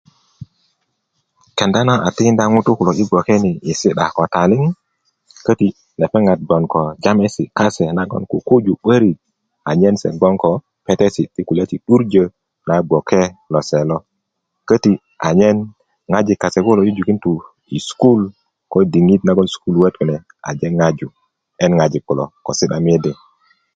kenda na a tinda ŋutu kulo i bgoke ni yi si'da ko taliŋ köti lepeŋat bgoŋ ko jamesi kase nagon kukuju 'börik anyen se bgoŋ ko petesi ti kulya ti 'durjö na bgole lose lo köti anyen ŋojil kase kulo jujukin tu i sukulu ko diŋit na sukuluöt aje ŋaju en ŋojik kase kulo si'da mede